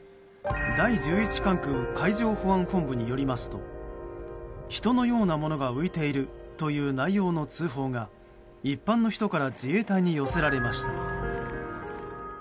第１１管区海上保安本部によりますと人のようなものが浮いているという内容の通報が一般の人から自衛隊に寄せられました。